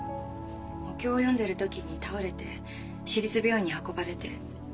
お経を読んでる時に倒れて市立病院に運ばれて。